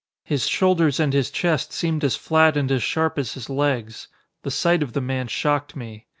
His shoulders and his chest seemed as flat and as sharp as his legs. The sight of the man shocked me.